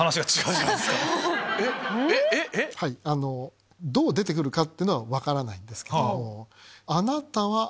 えっ⁉どう出て来るかってのは分からないんですけど。